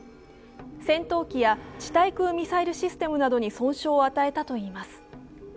戦闘機や地対空ミサイルシステムなどに損傷を与えたといいます。